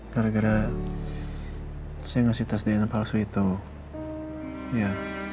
gara gara saya ngasih tes dna palsu itu